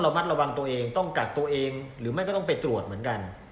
มัดระวังตัวเองต้องกักตัวเองหรือไม่ก็ต้องไปตรวจเหมือนกัน